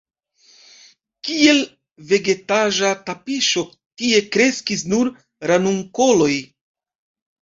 Kiel vegetaĵa tapiŝo tie kreskis nur ranunkoloj.